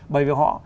bởi vì họ